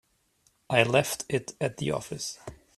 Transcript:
I left it at the office.